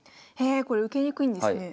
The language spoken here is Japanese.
これ受けにくいんですね。